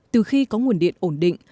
từ khi có nguồn điện ổn định